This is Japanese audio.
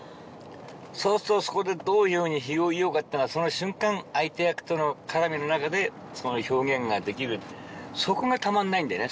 そうすっとそこでどういうふうに広げようかってのはその瞬間相手役との絡みの中でその表現ができるそこがたまんないんだよね